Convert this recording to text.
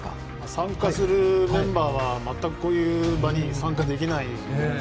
参加するメンバーは全くこういう場に参加できないので。